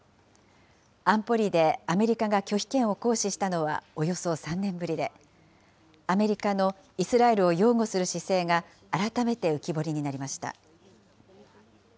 安保理でアメリカが拒否権を行使したのはおよそ３年ぶりで、アメリカのイスラエルを擁護する姿勢が改めて浮き彫りになりました。